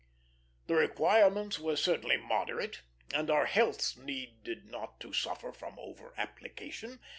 The requirements were certainly moderate, and our healths needed not to suffer from over application.